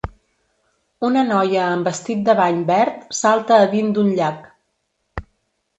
Una noia amb vestit de bany verd salta a dind d'un llac.